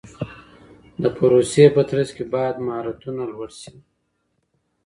د پروسې په ترڅ کي باید مهارتونه لوړ سي.